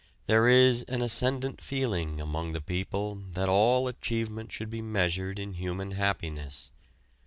There is an ascendant feeling among the people that all achievement should be measured in human happiness.